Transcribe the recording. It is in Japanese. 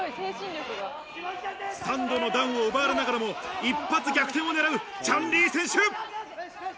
３度のダウンを奪われながらも、一発逆転をねらうチャン・リー選手。